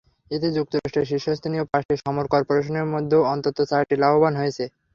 এতে যুক্তরাষ্ট্রের শীর্ষস্থানীয় পাঁচটি সমর করপোরেশনের মধ্যে অন্তত চারটি লাভবান হয়েছে।